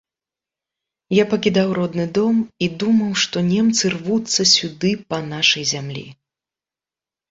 Я пакідаў родны дом і думаў, што немцы рвуцца сюды па нашай зямлі.